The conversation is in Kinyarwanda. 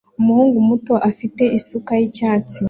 Umuhungu muto afite isuka y'icyatsi